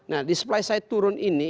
nah di supply side turun ini